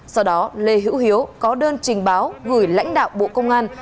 sau đó lê hữu hiếu có đơn trình báo gửi lãnh đạo bộ công an